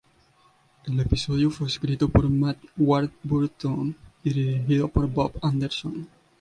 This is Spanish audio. El episodio fue escrito por Matt Warburton y dirigido por Bob Anderson.